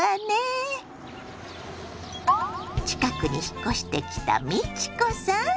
近くに引っ越してきた美智子さん？